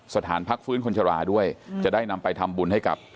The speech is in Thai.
สถานพักฟื้นคนชราด้วยจะได้นำไปทำบุญให้กับ